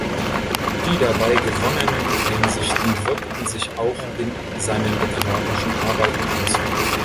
Die dabei gewonnenen Einsichten wirkten sich auch in seinen literarischen Arbeiten aus.